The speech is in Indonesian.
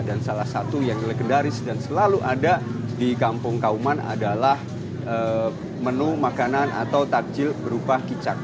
dan salah satu yang legendaris dan selalu ada di kampung kauman adalah menu makanan atau takjil berupa kicak